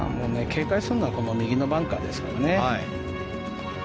警戒するのは右のバンカーですね。